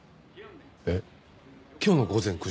えっ今日の午前９時？